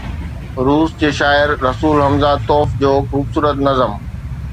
روس جي شاعر ”رسول حمزه توف“ جو خوبصورت نظم.